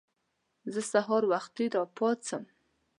زه سهار وختي راپاڅم.